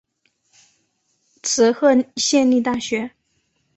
滋贺县立大学